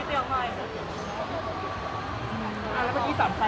เอาเรื่องต่อไป